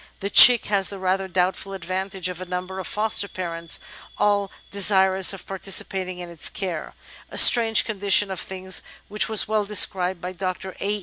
The chick has the rather doubtful advantage of a number of foster parents all de sirous of participating in its care, a strange condition of things which was well described by Dr. A.